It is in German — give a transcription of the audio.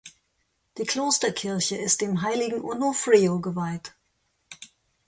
Die Klosterkirche ist dem heiligen Onofrio geweiht.